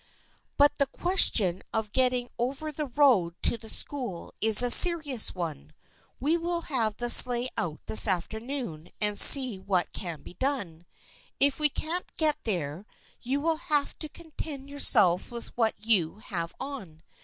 But the question of getting over the road to the school is a serious one. We will have the sleigh out this afternoon and see what can be done. If we can't get there you will have to content yourself with what you have on.